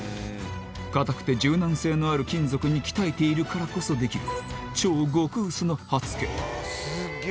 硬くて柔軟性のある金属に鍛えているからこそできる超極薄の刃付け